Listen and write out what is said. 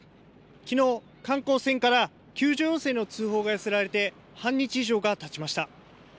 きのう、観光船から救助要請の通報が寄せられて半日以上がたちました。